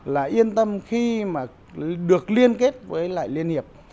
là yên tâm khi mà được liên kết với lại liên hiệp